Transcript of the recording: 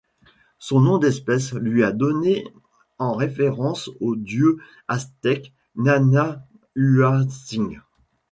Son nom d'espèce lui a été donné en référence au dieu aztèque Nanahuatzin.